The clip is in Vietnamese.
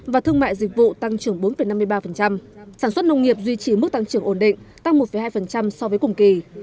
và thương mại dịch vụ tăng trưởng bốn năm mươi ba sản xuất nông nghiệp duy trì mức tăng trưởng ổn định tăng một hai so với cùng kỳ